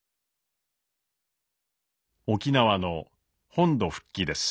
沖縄の本土復帰です。